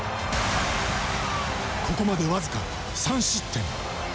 ここまで僅か３失点。